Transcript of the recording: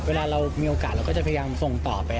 เวลาเรามีโอกาสเราก็จะพยายามส่งต่อไป